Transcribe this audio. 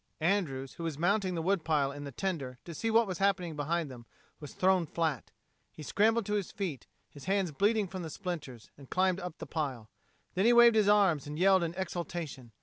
Andrews, who was mounting the wood pile in the tender to see what was happening behind them, was thrown flat. He scrambled to his feet, his hands bleeding from the splinters, and climbed up the pile. Then he waved his arms and yelled in exultation.